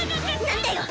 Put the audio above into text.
何だよ